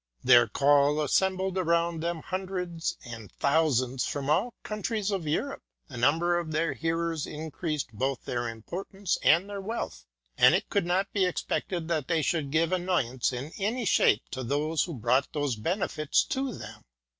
Their call assembled around them hundreds and thousands from all countries of Europe; the number of their hearers increased both their importance and their wealth ; and it could not be expected that they should give annoy ance in any shape to those who brought these benefits to them.